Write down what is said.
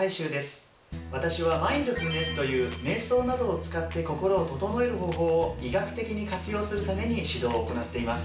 私はマインドフルネスというめい想などを使って心を整える方法を医学的に活用するために指導を行っています。